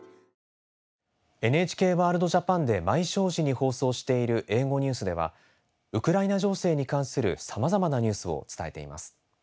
「ＮＨＫＷＯＲＬＤＪＡＰＡＮ」で毎正時に放送している英語ニュースではウクライナ情勢に関するさまざまなニュースを伝えています。